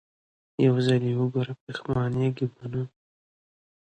يو ځل يې وګوره پښېمانېږې به نه.